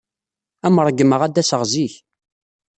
Ad am-ṛeggmeɣ ad d-aseɣ zik.